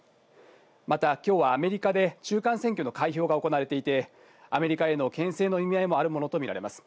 またきょうはアメリカで、中間選挙の開票が行われていて、アメリカへのけん制の意味合いもあるものと見られます。